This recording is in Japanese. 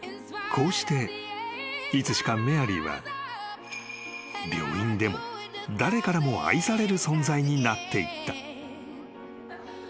［こうしていつしかメアリーは病院でも誰からも愛される存在になっていった］